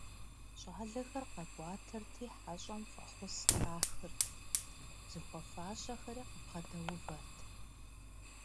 ЩӀалэхэр къэкӀуатэрти, хьэщӀэм фӀэхъус кърахырт, зыхуэфащэхэри къыбгъэдэувэрт.